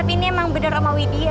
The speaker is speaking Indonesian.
tapi ini emang bener oma widia